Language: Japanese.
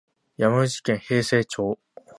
山口県平生町